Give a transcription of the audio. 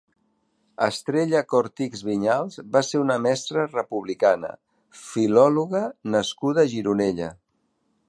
Estrella Cortichs Vinyals va ser una mestra republicana, filòloga nascuda a Gironella.